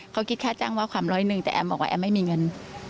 เขาคิดค่าจ้างว่าความร้อยหนึ่งแต่แอมบอกว่าแอมไม่มีเงิน